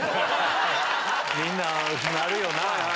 みんななるよな。